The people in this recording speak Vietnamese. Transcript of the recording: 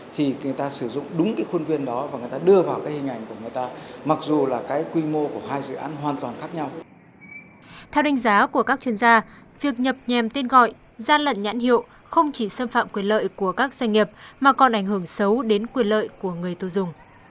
theo đánh giá của các chuyên gia việc nhập nhèm tên gọi gian lận nhãn hiệu không chỉ xâm phạm quyền lợi của các doanh nghiệp mà còn ảnh hưởng xấu đến quyền lợi của người tiêu dùng